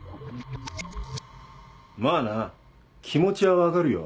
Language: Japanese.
まぁな気持ちは分かるよ。